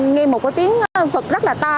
nghe một cái tiếng phật rất là ta